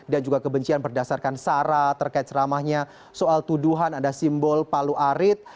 dan juga kebencian berdasarkan sarat terkait ceramahnya soal tuduhan ada simbol palu arit